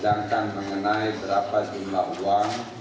dan ini saya ingin mengucapkan pada bapak dan bapak ibu ini